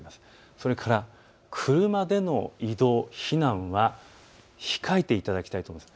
それから車での移動、避難は控えていただきたいと思います。